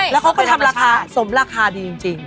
แล้วเขาก็ทำราคาสมราคาดีจริง